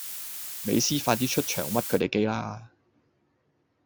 美斯快啲出場屈佢地機啦